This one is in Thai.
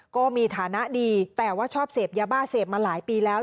ก็มีฐานะดีแต่ว่าชอบเสพยาบ้าเสพมาหลายปีแล้ว